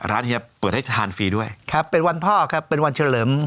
เฮียเปิดให้ทานฟรีด้วยครับเป็นวันพ่อครับเป็นวันเฉลิม